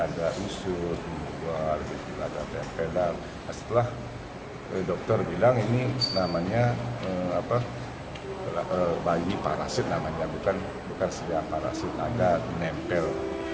ada usus ada tempelan setelah dokter bilang ini namanya bayi parasit namanya bukan sedang parasit ada nempel